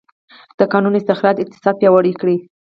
د کانونو استخراج اقتصاد پیاوړی کړ.